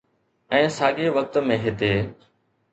۽ ساڳئي وقت ۾ هتي